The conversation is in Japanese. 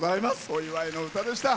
お祝いの歌でした。